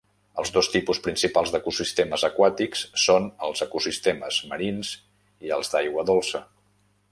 Els dos tipus principals d'ecosistemes aquàtics són els ecosistemes marins i els d'aigua dolça.